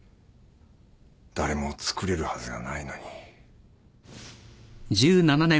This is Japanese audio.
誰も作れるはずがないのに。